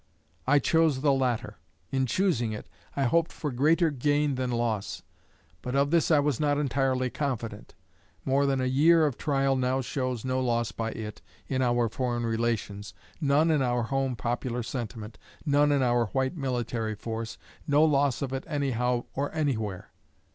I chose the latter. In choosing it, I hoped for greater gain than loss; but of this I was not entirely confident. More than a year of trial now shows no loss by it in our foreign relations, none in our home popular sentiment, none in our white military force, no loss by it anyhow or anywhere.